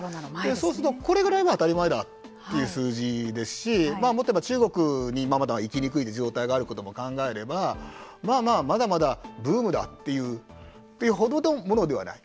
そうすると、これぐらいは当たり前だという数字ですしもっと言えば中国に行きにくい状態も考えればまあまあまだまだブームだという程のものではない。